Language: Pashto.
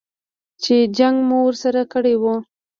چې جنګ مو ورسره کړی و.